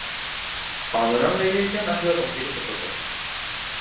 Abandonar la Iglesia no ayuda a conseguir ese propósito.